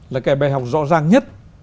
là cái bài học rõ ràng nhất